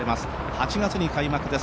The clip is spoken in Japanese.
８月に開幕です。